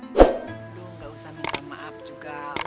aduh nggak usah minta maaf juga umi